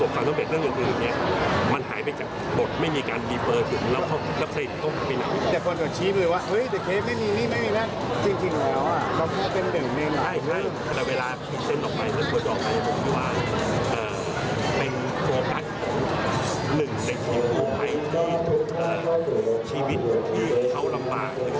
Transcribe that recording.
ครับ